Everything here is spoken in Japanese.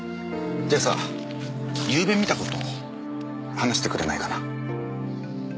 じゃあさゆうべ見た事話してくれないかな？